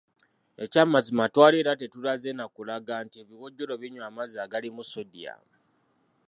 Ekyamazima twali era tetulaze na kulaga nti ebiwojjolo binywa amazzi agalimu sodium.